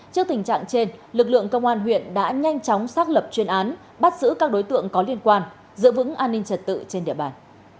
trước tình trạng trên lực lượng công an huyện đã nhanh chóng xác lập chuyên án bắt giữ các đối tượng có liên quan giữ vững an ninh trật tự trên địa bàn